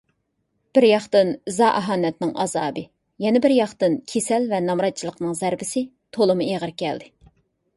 بىرياقتىن ئىزا - ئاھانەتنىڭ ئازابى، يەنە بىرياقتىن كېسەل ۋە نامراتچىلىقنىڭ زەربىسى تولىمۇ ئېغىر كەلدى.